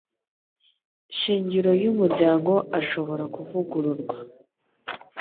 shingiro y umuryango ashobora kuvugururwa